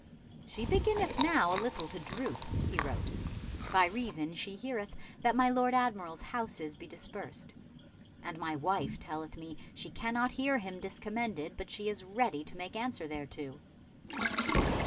"She beginneth now a little to droop," he wrote, "by reason she heareth that my Lord Admiral's houses be dispersed. And my wife telleth me she cannot hear him discommended, but she is ready to make answer thereto."